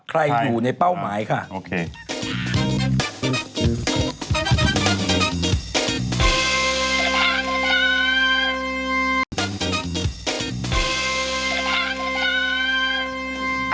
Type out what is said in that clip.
ใครอยู่ในเป้าหมายค่ะโอเค